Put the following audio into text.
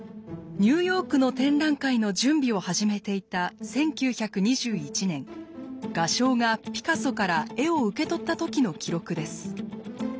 ニューヨークの展覧会の準備を始めていた１９２１年画商がピカソから絵を受け取った時の記録です。